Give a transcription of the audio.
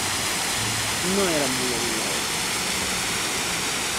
No eran muy adinerados.